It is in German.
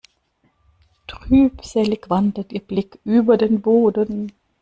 Trübselig wandert ihr Blick über den Boden.